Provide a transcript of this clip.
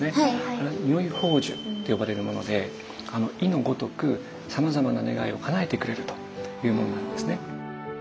あれ如意宝珠って呼ばれるもので意のごとくさまざまな願いをかなえてくれるというものなんですね。